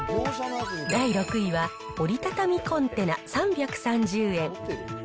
第６位は折りたたみコンテナ３３０円。